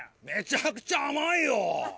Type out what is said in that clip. めちゃくちゃ甘いよ。